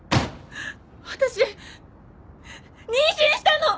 私妊娠したの！